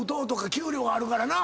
給料があるからな。